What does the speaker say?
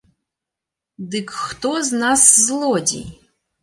Дык хто з нас злодзей?